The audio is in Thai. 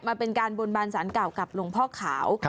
มาเป็นการบนบานสารเก่ากับหลวงพ่อขาว